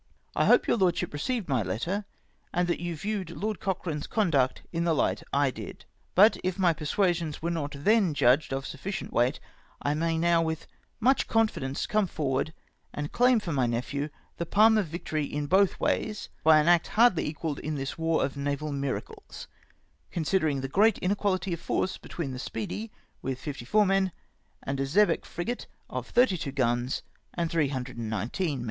" I hope your Lordship received my letter, and that you viewed Lord Cochrane's conduct in the light I did. But if my persuasions were not then judged of sufficient weight, I may now with much confidence come forward and claim for my nephew the palm of victory in both ways, by an act hardly equalled in this war of naval miracles, considering the great inequality of force between the Speedy with fifty four men, and a xebec frigate of thirty two guns and 319 men.